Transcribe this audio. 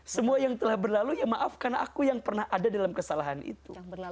semua yang telah berlalu ya maaf karena aku yang pernah ada dalam kesalahan itu